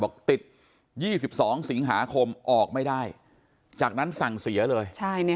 บอกติดยี่สิบสองสิงหาคมออกไม่ได้จากนั้นสั่งเสียเลยใช่เนี่ย